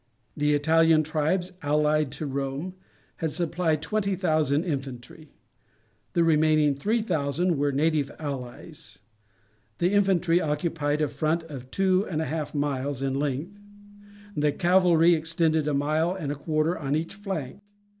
The Italian tribes, allied to Rome, had supplied twenty thousand infantry; the remaining three thousand were native allies. The infantry occupied a front of two and a half miles in length; the cavalry extended a mile and a quarter on each flank.